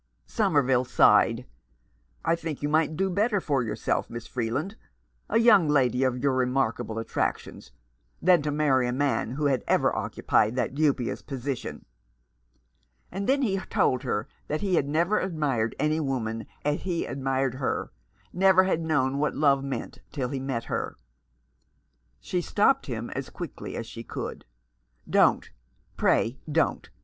Somerville sighed. "I think you might do better for yourself, Miss Freeland — a young lady of your remarkable attractions — than to marry a man who had ever occupied that — dubious position." And then he told her that he had' never admired any woman as he admired her — never had known what love meant till he knew her. She stopped him as quickly as she could. " Don't ; pray don't !